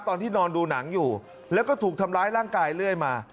ตอนที่นอนดูหนังอยู่แล้วก็ถูกทำร้ายร่างกายเรื่อยมา